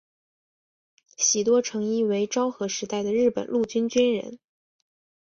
喜多诚一为昭和时代的日本陆军军人。